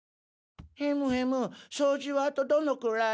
ヘムヘムそうじはあとどのくらい？